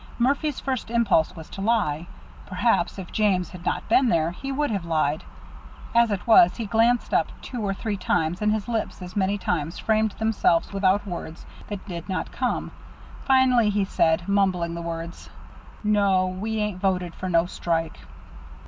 Murphy's first impulse was to lie. Perhaps, if James had not been there, he would have lied. As it was, he glanced up two or three times, and his lips as many times framed themselves about words that did not come. Finally he said, mumbling the words: "No, we ain't voted for no strike."